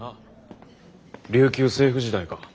琉球政府時代か。